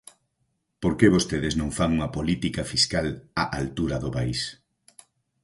Porque vostedes non fan unha política fiscal á altura do país.